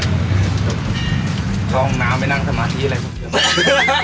ลองน้ำไปนั่งสมาธิเลย